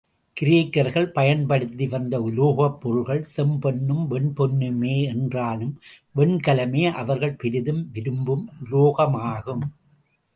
கிரேக்கர்கள் பயன்படுத்தி வந்த உலோகப் பொருள்கள் செம்பொன்னும், வெண்பொன்னுமே என்றாலும், வெண்கலமே அவர்கள் பெரிதும் விரும்பும் உலோகமாகும்.